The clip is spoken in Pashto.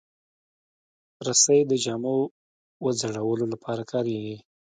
رسۍ د جامو وځړولو لپاره کارېږي.